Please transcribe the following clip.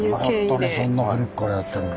そんな古くからやってるのは。